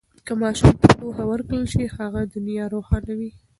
که ماشوم ته پوهه ورکړل شي، هغه دنیا روښانوي.